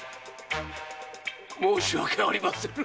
申し訳ありませぬ！